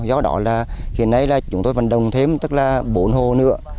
do đó là hiện nay là chúng tôi vận động thêm tức là bốn hồ nữa